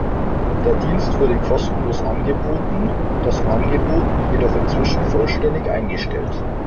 Der Dienst wurde kostenlos angeboten, das Angebot jedoch inzwischen vollständig eingestellt.